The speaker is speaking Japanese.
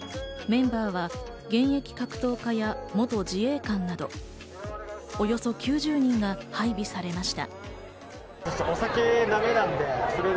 メンバーは現役格闘家や元自衛官などおよそ９０人が配備されました。